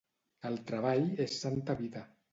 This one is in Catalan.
El treball és santa vida.